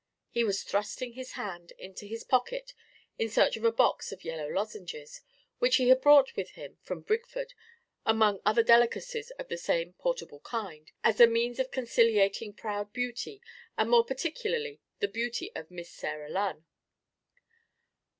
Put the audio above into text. —he was thrusting his hand into his pocket in search of a box of yellow lozenges, which he had brought with him from Brigford among other delicacies of the same portable kind, as a means of conciliating proud beauty, and more particularly the beauty of Miss Sarah Lunn.